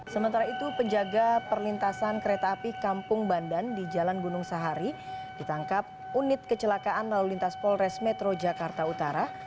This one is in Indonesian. sementara itu penjaga perlintasan kereta api kampung bandan di jalan gunung sahari ditangkap unit kecelakaan lalu lintas polres metro jakarta utara